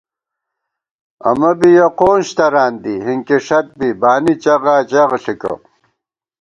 امہ بی یَہ قونج تران دی، ہِنکِی ݭت بی بانی چغاچغ ݪِکہ